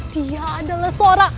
dia adalah seorang